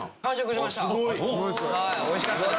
おいしかったです。